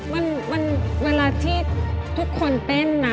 เพราะว่าเวลาที่ทุกคนเต้นนะ